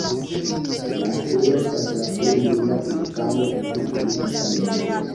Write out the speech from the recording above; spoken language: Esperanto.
La aktoro estas la plej juna infano en katolika familio.